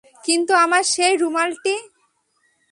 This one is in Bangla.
কিন্তু আমার সেই রুমালটি?